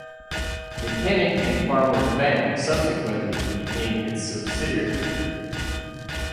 Mechanic and Farmers Bank subsequently became its subsidiary.